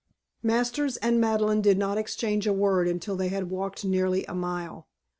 Masters and Madeleine did not exchange a word until they had walked nearly a mile.